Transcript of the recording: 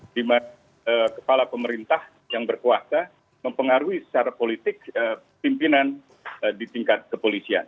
di mana kepala pemerintah yang berkuasa mempengaruhi secara politik pimpinan di tingkat kepolisian